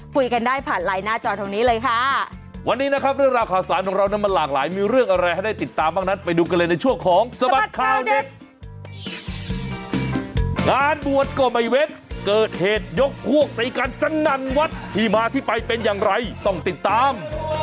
การบวชก็ไม่เว้นเกิดเหตุยกพวกใส่กันสนั่นวัดที่มาที่ไปเป็นอย่างไรต้องติดตาม